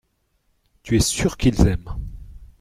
Tu es sûr qu’ils aiment.